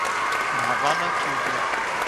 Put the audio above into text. אין האַוואַנאַ, קובאַ